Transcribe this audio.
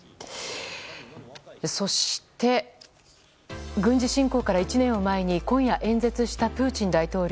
そして軍事侵攻から１年を前に今夜演説したプーチン大統領。